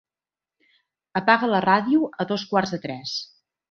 Apaga la ràdio a dos quarts de tres.